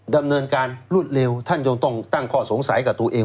ดำเนินการรวดเร็วท่านยังต้องตั้งข้อสงสัยกับตัวเอง